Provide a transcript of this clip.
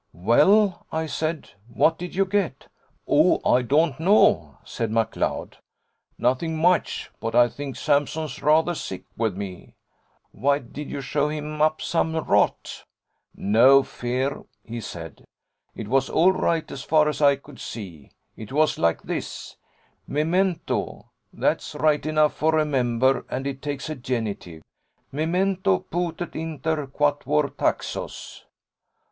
"Well," I said, "what did you get?" "Oh, I don't know," said McLeod, "nothing much: but I think Sampson's rather sick with me." "Why, did you show him up some rot?" "No fear," he said. "It was all right as far as I could see: it was like this: Memento that's right enough for remember, and it takes a genitive, memento putei inter quatuor taxos."